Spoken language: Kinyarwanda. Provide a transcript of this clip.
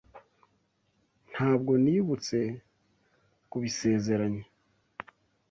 Ntabwo nibutse kubisezeranya